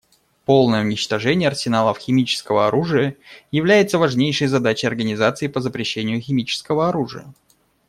Полное уничтожение арсеналов химического оружия является важнейшей задачей Организации по запрещению химического оружия.